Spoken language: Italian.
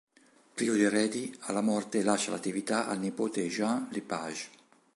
Privo di eredi, alla morte lascia l'attività al nipote Jean Le Page.